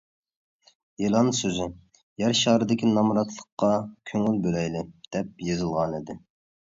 ئېلان سۆزى ‹‹يەر شارىدىكى نامراتلىققا كۆڭۈل بۆلەيلى›› دەپ يېزىلغانىدى.